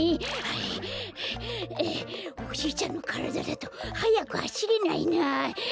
ゼエゼエおじいちゃんのからだだとはやくはしれないな。